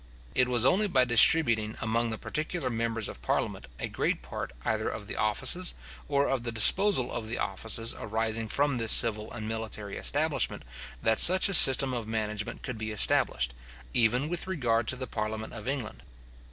It was only by distributing among the particular members of parliament a great part either of the offices, or of the disposal of the offices arising from this civil and military establishment, that such a system of management could be established, even with regard to the parliament of England.